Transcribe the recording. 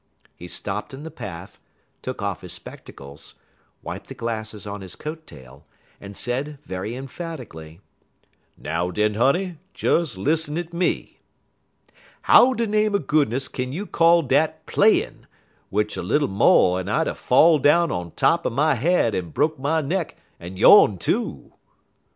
He stopped in the path, took off his spectacles, wiped the glasses on his coat tail, and said very emphatically: "Now den, honey, des lissen at me. How de name er goodness kin you call dat playin', w'ich er little mo' en I'd er fell down on top er my head, en broke my neck en yone too?"